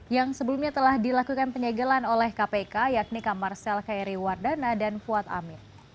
yang sebelumnya telah dilakukan penyegelan oleh kpk yakni kamar sel kri wardana dan fuad amin